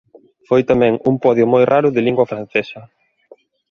Foi tamén un podio moi raro de lingua francesa.